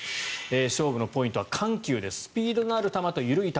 勝負のポイントは緩急ですスピードのある球と緩い球